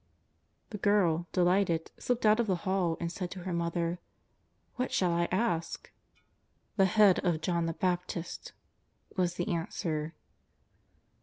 The girl, delighted, slipped oat of the hall and said to her mother :'' ^^at shall I ask ?"" The head of John the Baptist," was the answer.